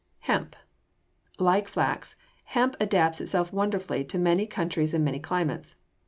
=Hemp.= Like flax, hemp adapts itself wonderfully to many countries and many climates.